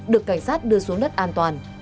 được cảnh sát đưa xuống đất an toàn